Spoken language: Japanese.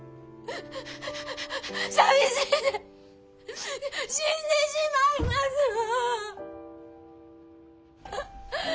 寂しいて死んでしまいますわ！